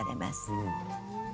うん。